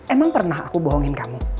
emang pernah aku bohongin kamu